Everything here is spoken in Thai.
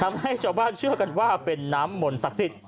ทำให้ชาวบ้านเชื่อกันว่าเป็นน้ำหม่นศักดิ์